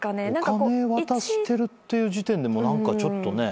お金渡してるって時点で何かちょっとね。